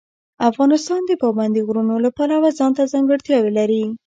افغانستان د پابندي غرونو له پلوه ځانته ځانګړتیاوې لري.